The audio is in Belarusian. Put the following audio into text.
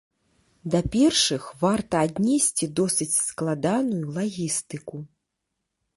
Да першых варта аднесці досыць складаную лагістыку.